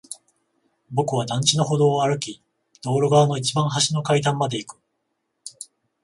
僕は団地の歩道を歩き、道路側の一番端の階段まで行く。